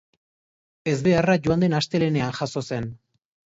Ezbeharra joan den astelehenean jazo zen.